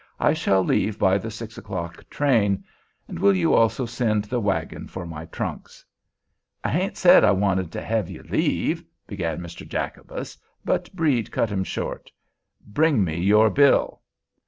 I shall leave by the six o'clock train. And will you also send the wagon for my trunks?" "I hain't said I wanted to hev ye leave——" began Mr. Jacobus; but Brede cut him short. "Bring me your bill."